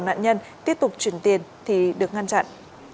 nạn nhân tiếp tục chuyển tiền thì được ngăn chặn